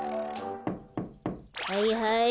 はいはい。